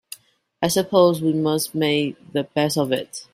I suppose we must make the best of it!